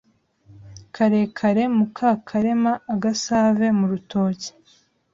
Karekare MukakaremaAgasave mu rutoki